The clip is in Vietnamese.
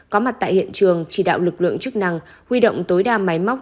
có mặt tại hiện trường chỉ đạo lực lượng chức năng huy động tối đa máy móc